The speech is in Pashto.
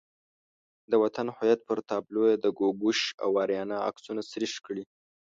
د وطن هویت پر تابلو یې د ګوګوش او آریانا عکسونه سریښ کړي.